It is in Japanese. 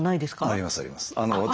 ありますあります。